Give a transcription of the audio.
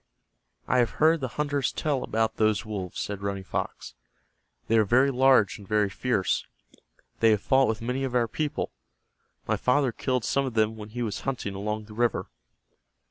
"I have heard the hunters tell about those wolves," said Running Fox. "They are very large and very fierce. They have fought with many of our people. My father killed some of them when he was hunting along the river."